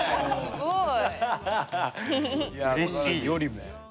すごい。